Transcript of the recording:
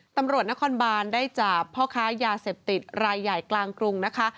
ตำรวจนครบานได้จับพ่อค้ายาเสพติดรายใหญ่กลางกรุงนะคะ